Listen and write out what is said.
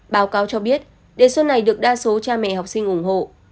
báo cáo cho biết đề xuất này được đa số cha mẹ học sinh ủng hộ